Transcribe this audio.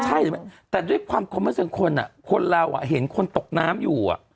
ใช่ใช่มั้ยแต่ด้วยความความเป็นส่วนคนอ่ะคนเราเห็นคนตกน้ำอยู่อ่ะ